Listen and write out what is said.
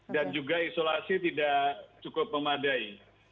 dan juga isolasi tidak cukup memadai